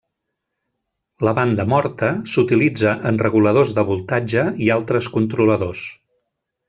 La banda morta s'utilitza en reguladors de voltatge i altres controladors.